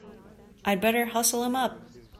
I'd better hustle him up!